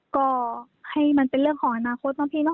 ก็ให้มันเป็นเรื่องของอนาคตเนาะพี่เนอ